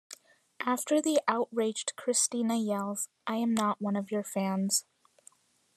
After the outraged Christina yells, I am not one of your fans!